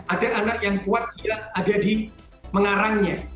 ada anak yang kuat dia ada di mengarangnya